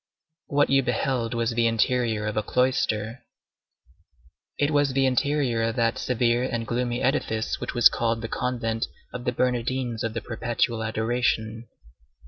What you beheld was the interior of a cloister. It was the interior of that severe and gloomy edifice which was called the Convent of the Bernardines of the Perpetual Adoration.